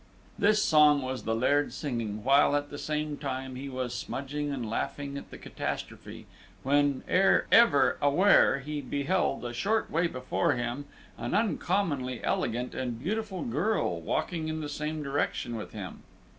This song was the Laird singing, while, at the same time, he was smudging and laughing at the catastrophe, when, ere ever aware, he beheld, a short way before him, an uncommonly elegant and beautiful girl walking in the same direction with him.